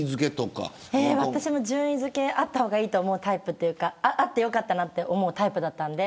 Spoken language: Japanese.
私も順位付けあった方がいいと思うタイプというかあってよかったなというタイプだったので。